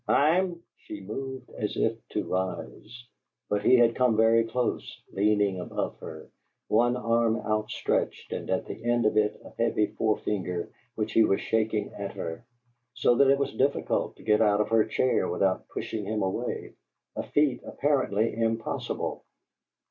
"I'm " She moved as if to rise, but he had come very close, leaning above her, one arm out stretched and at the end of it a heavy forefinger which he was shaking at her, so that it was difficult to get out of her chair without pushing him away a feat apparently impossible.